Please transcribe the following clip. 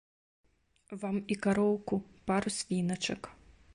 Вам і кароўку, пару свіначак.